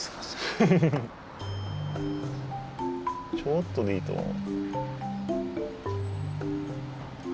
ちょろっとでいいと思う。